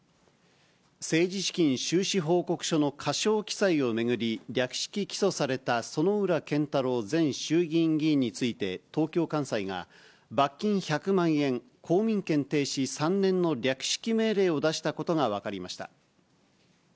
政治資金収支報告書の過少記載を巡り、略式起訴された薗浦健太郎前衆議院議員について、東京簡裁が、罰金１００万円、公民権停止３年の略式命令を出したことが分かりました。